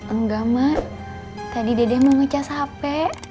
enggak mak tadi dedek mau ngecas hape